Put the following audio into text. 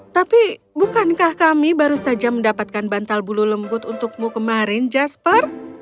tapi bukankah kami baru saja mendapatkan bantal bulu lembut untukmu kemarin jasper